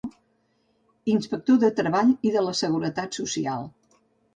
Inspector de Treball i de la Seguretat Social.